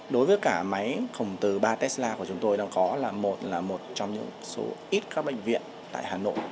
đối với cả máy cộng từ ba tesla của chúng tôi đang có là một trong những số ít các bệnh viện tại hà nội